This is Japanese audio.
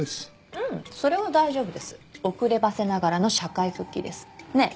うんそれは大丈夫です遅ればせながらの社会復帰ですねえ